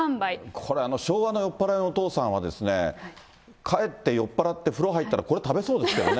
これ、昭和の酔っぱらいのお父さんは、帰って酔っ払って風呂入ったら食べそうですけどね。